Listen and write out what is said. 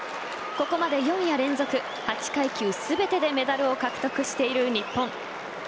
ここまで４夜連続、８階級全てでメダルを獲得している日本。